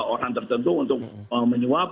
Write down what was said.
orang tertentu untuk menyuap